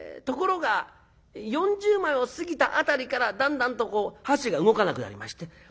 ところが４０枚を過ぎた辺りからだんだんと箸が動かなくなりまして。